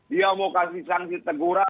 dia mau kasih sanksi teguran